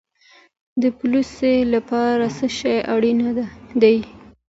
د پولیس لپاره څه شی اړین دی؟